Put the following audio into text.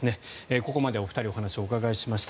ここまでお二人にお話をお伺いしました。